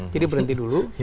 jadi berhenti dulu